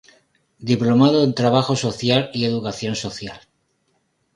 Diplomado en Trabajo Social y Educación Social.